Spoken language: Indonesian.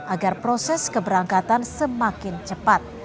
agar proses keberangkatan semakin cepat